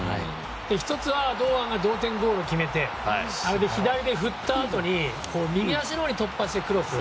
１つは、堂安が同点ゴールを決めてあれで左に振ったあとに右足のほうに突破してクロス。